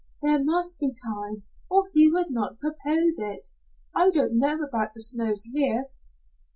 "There must be time or he would not propose it. I don't know about the snows here."